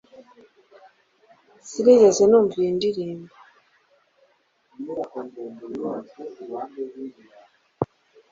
Sinigeze numva iyi ndirimbo.